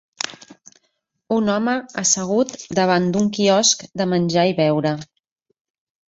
Un home assegut davant d'un quiosc de menjar i beure.